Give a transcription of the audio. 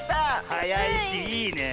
はやいしいいねえ。